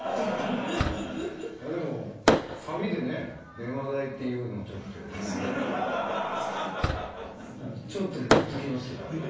でもサビでね「電話台」っていうのちょっとちょっとグッときますよね。